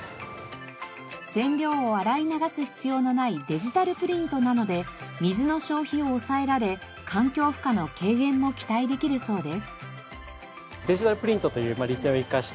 染料を洗い流す必要のないデジタルプリントなので水の消費を抑えられ環境負荷の軽減も期待できるそうです。